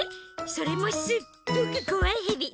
それもすっごくこわいヘビ！